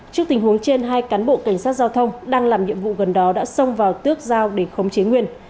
trước tình huống trên hai cán bộ cảnh sát giao thông đang làm nhiệm vụ gần đó đã xông vào tước dao để khống chế nguyên